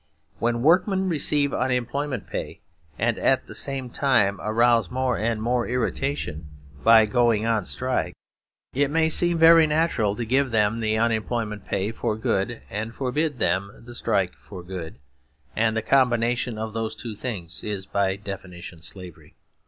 When workmen receive unemployment pay, and at the same time arouse more and more irritation by going on strike, it may seem very natural to give them the unemployment pay for good and forbid them the strike for good; and the combination of those two things is by definition slavery.